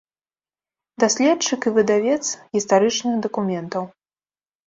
Даследчык і выдавец гістарычных дакументаў.